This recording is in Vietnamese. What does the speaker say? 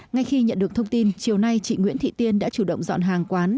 ngay khi nhận được thông tin chiều nay chị nguyễn thị tiên đã chủ động dọn hàng quán